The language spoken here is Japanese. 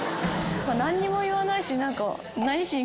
何にも言わないし。